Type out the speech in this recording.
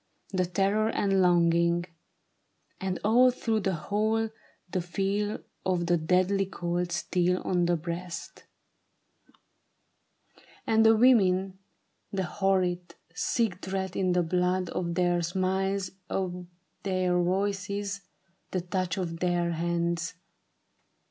The terror and longing ; and all through the whole The feel of the deadly cold steel on the breast ? 72 A TRAGEDY OF SEDAN, And the women — the horrid, sick dread in the blood Of their smiles, of their voices, the touch of their hands.